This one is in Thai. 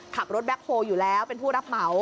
แบ็คโฮลอยู่แล้วเป็นผู้รับเหมา